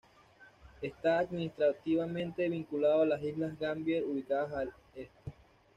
Está administrativamente vinculado a las islas Gambier, ubicadas a al este.